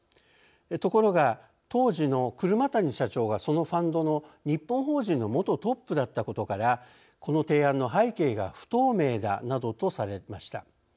ところが当時の車谷社長がそのファンドの日本法人の元トップだったことからこの提案の背景が不透明だなどとされました。